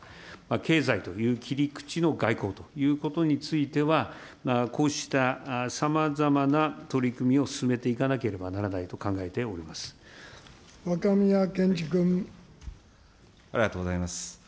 経済という切り口の外交ということについては、こうしたさまざまな取り組みを進めていかなければ若宮健嗣君。ありがとうございます。